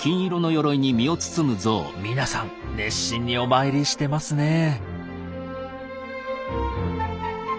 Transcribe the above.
皆さん熱心にお参りしてますねえ。